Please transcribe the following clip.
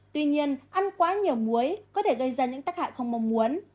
tuy nhiên ăn quá nhiều muối có thể gây ra những tắc hại không mong muốn